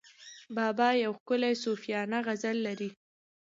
بابا یو ښکلی صوفیانه غزل لري.